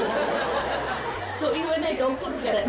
そう言わないと怒るからね。